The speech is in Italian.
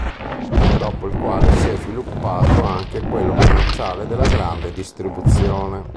Dopo il quale si è sviluppato anche quello commerciale della Grande distribuzione.